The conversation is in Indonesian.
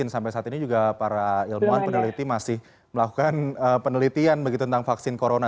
sampai saat ini juga para ilmuwan peneliti masih melakukan penelitian begitu tentang vaksin corona